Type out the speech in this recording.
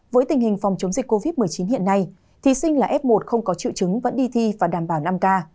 với tình hình phòng chống dịch covid một mươi chín hiện nay thí sinh là f một không có triệu chứng vẫn đi thi và đảm bảo năm k